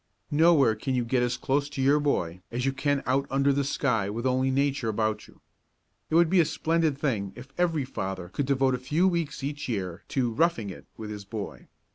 Nowhere can you get as close to your boy as you can out under the sky with only Nature about you. It would be a splendid thing if every father could devote a few weeks each year to "roughing it" with his boy.